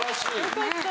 よかった。